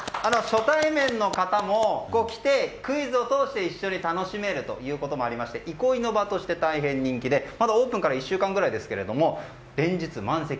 初対面の方も来てクイズを通して一緒に楽しめるということもあって憩いの場として大変人気でまだオープンまで１週間ですけど連日満席。